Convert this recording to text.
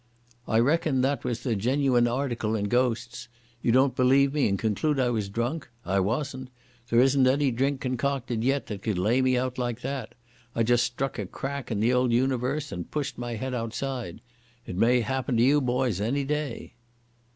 "I reckon that was the genuine article in ghosts. You don't believe me and conclude I was drunk? I wasn't. There isn't any drink concocted yet that could lay me out like that. I just struck a crack in the old universe and pushed my head outside. It may happen to you boys any day."